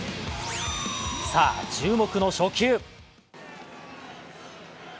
さあ、注目の初球。